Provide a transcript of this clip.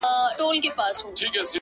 • دا دی د ژوند و آخري نفس ته ودرېدم ـ